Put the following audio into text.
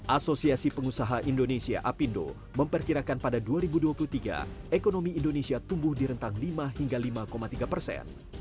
asosiasi pengusaha indonesia apindo memperkirakan pada dua ribu dua puluh tiga ekonomi indonesia tumbuh di rentang lima hingga lima tiga persen